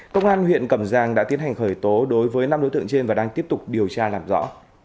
công an huyện cẩm giang đã tiến hành khởi tố đối với năm đối tượng trên và đang tiếp tục điều tra làm rõ